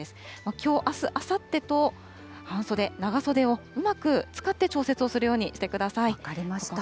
きょう、あす、あさってと、半袖、長袖をうまく使って調節をするよ分かりました。